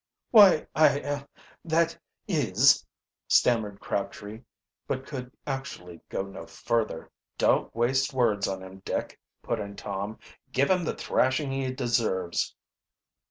"Why, I er that is " stammered Crabtree; but could actually go no further. "Don't waste words on him, Dick," put in Tom. "Give him the thrashing he deserves."